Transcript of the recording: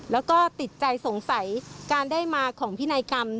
แล้วก็ติดใจสงสัยการได้มาของพินัยกรรม